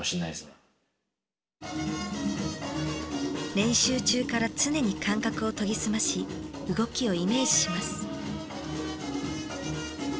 練習中から常に感覚を研ぎ澄まし動きをイメージします。